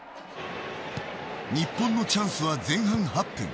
日本のチャンスは前半の８分。